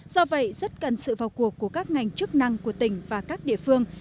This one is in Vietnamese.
do vậy rất cần sự vào cuộc của các ngành chức năng của tỉnh và các địa phương